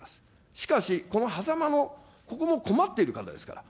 しかし、このはざまの、ここも困っている方ですから。